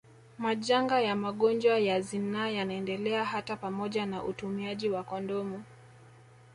Majanga ya magonjwa ya zinaa yanaendelea hata pamoja na utumiaji wa kondomu